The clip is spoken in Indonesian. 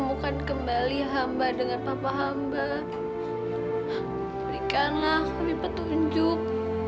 buat ibu ibu putri heric bapak